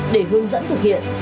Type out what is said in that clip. để hướng dẫn thực hiện